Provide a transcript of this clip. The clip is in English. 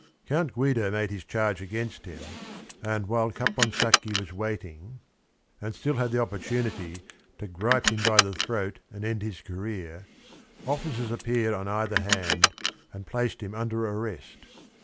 Count Guido made his charge against him, and while Caponsacchi was waiting, and still 88 THE RING AND THE BOOK had the opportunity to gripe him by the throat and end his career, officers appeared on either hand and placed him under arrest.